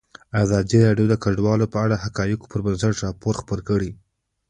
ازادي راډیو د کډوال په اړه د حقایقو پر بنسټ راپور خپور کړی.